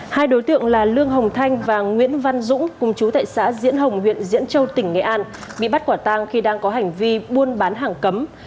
hai đối tượng là lương hồng thanh và nguyễn văn dũng cùng chú tại xã diễn hồng huyện diễn châu tỉnh nghệ an bị bắt quả tang khi đang có hành vi buôn bán hàng cấm